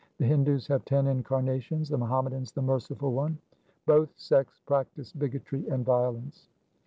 The Hindus have ten incarnations, the Muhammadans the Merciful One. Both sects practise bigotry and violence.